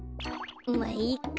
まあいっか。